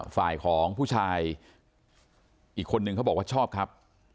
ฝ่ายของผู้ชายอีกคนนึงเขาบอกว่าชอบครับ